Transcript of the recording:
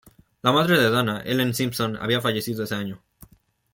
La madre de Dana, Helen Simpson había fallecido ese año.